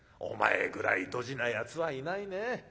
お前ぐらいドジなやつはいないねえ。